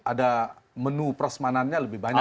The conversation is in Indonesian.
ada menu prasmanannya lebih banyak